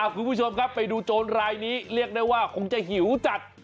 คุณผู้ชมครับไปดูโจรรายนี้เรียกได้ว่าคงจะหิวจัด